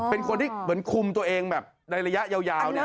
เป็นคนที่เหมือนคุมตัวเองแบบในระยะยาวเนี่ย